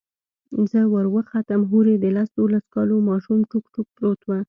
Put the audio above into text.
زه وروختم هورې د لس دولسو كالو ماشوم ټوك ټوك پروت و.